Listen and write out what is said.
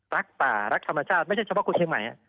รักป่ารักธรรมชาติไม่ใช่เฉพาะคนเชียงใหม่